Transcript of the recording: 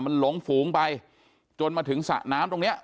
มันหลงฝูงไปจนมาถึงสระน้ำตรงเนี้ย